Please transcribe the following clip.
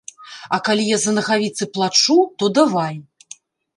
А калі я за нагавіцы плачу, то давай.